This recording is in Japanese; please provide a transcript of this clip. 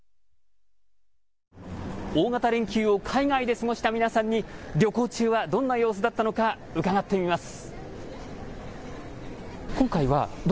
大型連休を海外で過ごした皆さんに旅行中はどんな様子だったの伺ってみます。